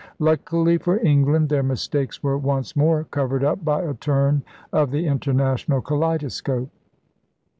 Luckily for England, their mistakes were once more covered up by a turn of the international kaleidoscope.